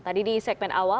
tadi di segmen awal